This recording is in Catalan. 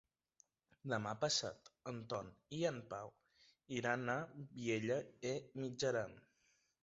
Demà passat en Tom i en Pau iran a Vielha e Mijaran.